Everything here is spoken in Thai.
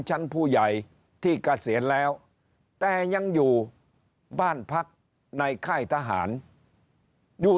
ชั้นผู้ใหญ่ที่เกษียณแล้วแต่ยังอยู่บ้านพักในค่ายทหารอยู่